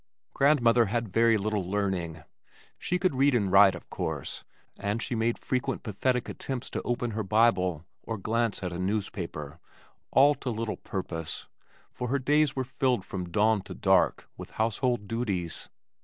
Grandmother had very little learning. She could read and write of course, and she made frequent pathetic attempts to open her Bible or glance at a newspaper all to little purpose, for her days were filled from dawn to dark with household duties.